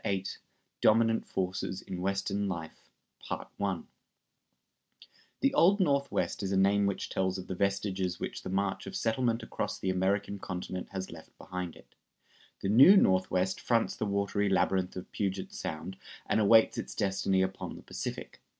] VIII DOMINANT FORCES IN WESTERN LIFE[222:1] The Old Northwest is a name which tells of the vestiges which the march of settlement across the American continent has left behind it. The New Northwest fronts the watery labyrinth of Puget Sound and awaits its destiny upon the Pacific.